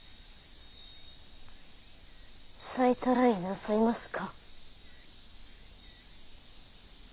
再トライなさいますか？